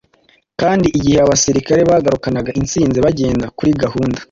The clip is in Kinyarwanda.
kandi igihe abasirikari bagarukanaga insinzi bagenda kuri gahunda,